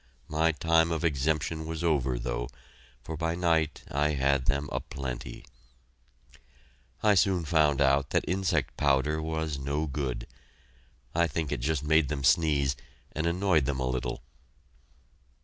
My time of exemption was over, though, for by night I had them a plenty. I soon found out that insect powder was no good. I think it just made them sneeze, and annoyed them a little.